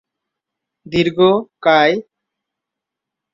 দীর্ঘকায় ও পাতলা হ্যারি উচু বল ধরতে ওস্তাদ ছিলেন।